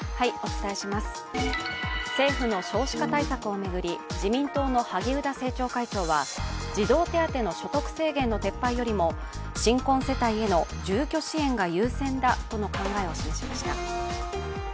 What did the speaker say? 政府の少子化対策を巡り、自民党の萩生田政調会長は児童手当の所得制限の撤廃よりも新婚世帯の住居支援が優先だとの考えを示しました。